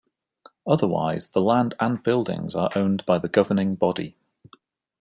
Otherwise the land and buildings are owned by the governing body.